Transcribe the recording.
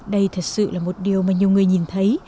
đây thật sự là một điều mà nhiều người nhìn thấy